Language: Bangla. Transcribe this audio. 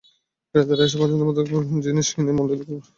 ক্রেতারা এসে পছন্দমতো জিনিস কিনে মূল্য দেখে টাকা ক্যাশবাক্সে রেখে চলে যান।